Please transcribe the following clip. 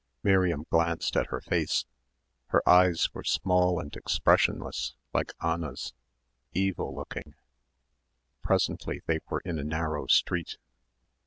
Miriam glanced at her face her eyes were small and expressionless, like Anna's ... evil looking. Presently they were in a narrow street.